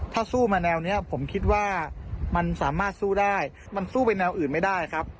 ถ้าสู้มาแนวนี้ผมคิดว่ามันสามารถสู้ได้มันสู้ไปแนวอื่นไม่ได้ครับ